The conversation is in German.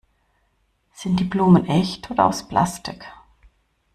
Sind die Blumen echt oder aus Plastik?